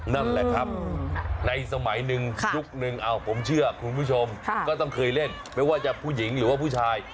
นั่นแหละครับในสมัยหนึ่งยุคนึงผมเชื่อคุณผู้ชมก็ต้องเคยเล่นไม่ว่าจะผู้หญิงหรือว่าผู้ชาย